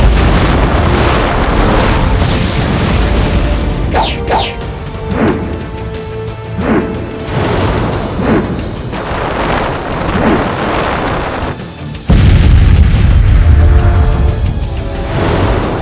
dia bukan judul